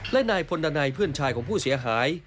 และนายพลดันัยเพื่อนชายของผู้เสียหาย